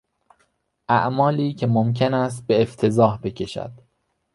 اعمالی که ممکن است به افتضاح بکشد